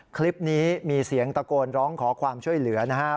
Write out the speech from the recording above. คลิปนี้มีเสียงตะโกนร้องขอความช่วยเหลือนะครับ